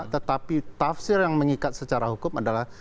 tetapi tafsir yang mengikat secara hukum adalah